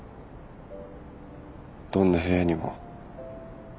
どんな部屋にも。